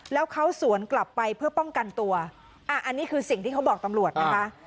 แล้วเขาสวนกลับไปเพื่อป้องกันตัวอันนี้คือสิ่งที่เขาบอกตำรวจนะคะ